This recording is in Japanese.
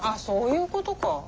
そういうことか。